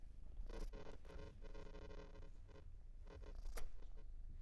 中太平洋飓风中心未能在飓风逼近前及时发布热带气旋警告或观察预警。